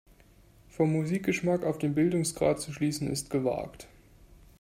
Vom Musikgeschmack auf den Bildungsgrad zu schließen, ist gewagt.